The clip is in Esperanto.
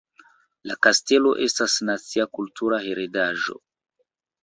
La kastelo estas nacia kultura heredaĵo.